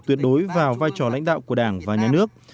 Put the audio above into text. tuyệt đối vào vai trò lãnh đạo của đảng và nhà nước